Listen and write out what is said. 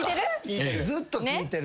ずっと聞いてる。